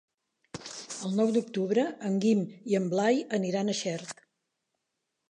El nou d'octubre en Guim i en Blai aniran a Xert.